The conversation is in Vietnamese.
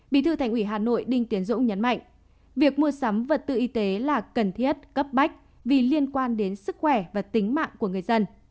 bí thư thành ủy hà nội đinh tiến dũng nhấn mạnh việc mua sắm vật tư y tế là cần thiết cấp bách vì liên quan đến sức khỏe và tính mạng của người dân